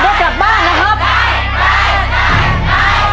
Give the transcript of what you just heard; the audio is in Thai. แล้วกลับบ้านนะครับ